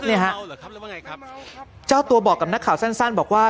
เนี่ยฮะเจ้าตัวบอกกับนักข่าวสั้นบอกว่า